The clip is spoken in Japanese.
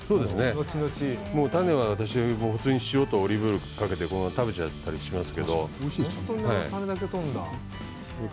のちのち種は普通に塩とオリーブオイルをかけて食べちゃったりします。